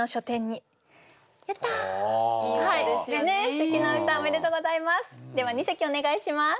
すてきな歌おめでとうございます。